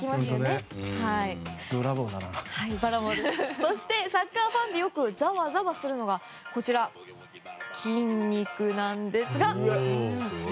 そしてサッカーファンがよく、ざわざわするのが筋肉なんです。